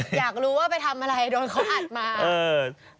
อยากรู้ว่าไปทำอะไรโดนเขาอัดมา